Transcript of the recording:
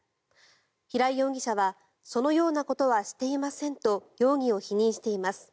平井容疑者はそのようなことはしていませんと容疑を否認しています。